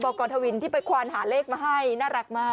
กรทวินที่ไปควานหาเลขมาให้น่ารักมาก